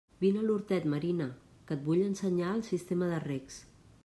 Vine a l'hortet, Marina, que et vull ensenyar el sistema de recs.